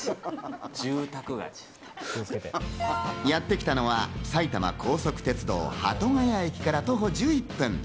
やってきたのは埼玉高速鉄道、鳩ケ谷駅から徒歩１１分。